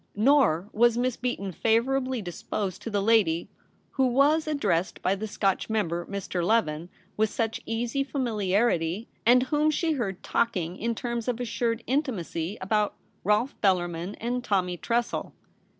Nor was Miss Beaton favourably disposed to the lady who was ad dressed by the Scotch member, Mr. Leven, with such easy familiarity, and whom she heard talking in terms of assured intimacy about ' Rolfe Bellarmin' and 'Tommy Tressel.'